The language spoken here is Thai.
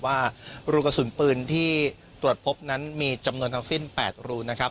ว่ารูกระสุนปืนที่ตรวจพบนั้นมีจำนวนทั้งสิ้น๘รูนะครับ